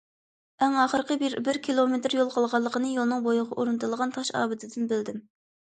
ئەڭ ئاخىرقى بىر كىلومېتىر يول قالغانلىقىنى يولنىڭ بويىغا ئورنىتىلغان تاش ئابىدىدىن بىلدىم.